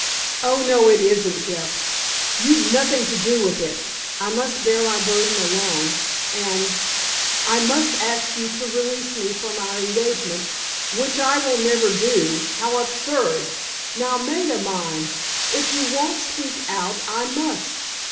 "Oh, no, it isn't, Jeff. You've nothing to do with it. I must bear my burden alone—and—I must ask you to release me from our engagement——" "Which I will never do! How absurd! Now, Maida mine, if you won't speak out, I must.